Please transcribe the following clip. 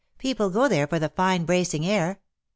People go there for the fine bracing air.